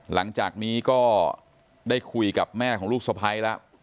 หลังจากนี้ก็ได้คุยกับแม่ของลูกสะพ้ายแล้ว